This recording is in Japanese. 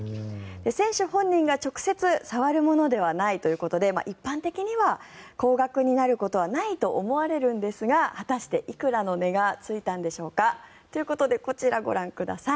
選手本人が直接触るものではないということで一般的には高額になることはないと思われるんですが果たして、いくらの値がついたのでしょうか。ということでこちらご覧ください。